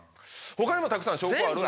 他にもたくさん証拠ある。